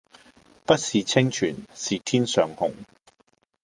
不是清泉是天上虹